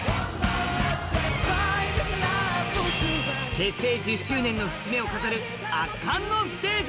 結成１０周年の節目を飾る圧巻のステージ。